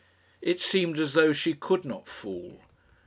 It seemed as though she could not fall.